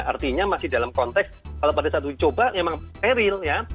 artinya masih dalam konteks kalau pada saat dicoba memang peril ya